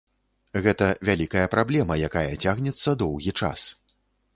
Гэта вялікая праблема, якая цягнецца доўгі час.